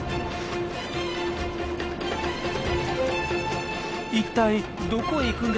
一体どこへ行くんでしょう？